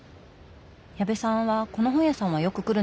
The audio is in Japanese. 矢部さんはこの本屋さんはよく来るんですか？